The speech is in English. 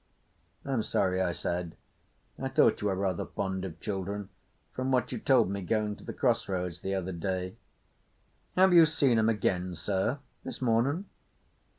"I'm sorry," I said. "I thought you were rather fond of children from what you told me going to the cross roads the other day." "Have you seen 'em again, Sir—this mornin'?"